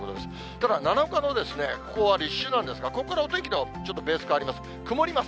ただ、７日のここは立秋なんですが、ここからお天気のベース変わります。